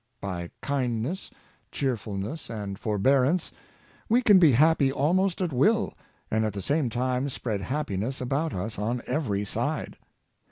By kindness, cheerfulness, and forbearance we can be happy almost at will, and at the same time spread happiness about us on every side.